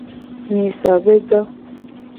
Nyiso be do.